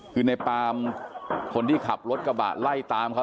คือในปามคนที่ขับรถกระบะไล่ตามเขา